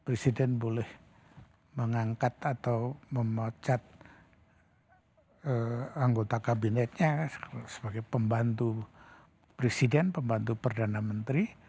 presiden boleh mengangkat atau memecat anggota kabinetnya sebagai pembantu presiden pembantu perdana menteri